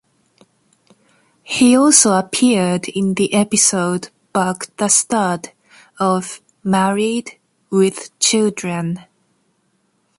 He also appeared in the episode "Buck the Stud" of "Married... with Children".